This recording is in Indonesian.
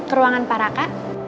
ke ruangan para kau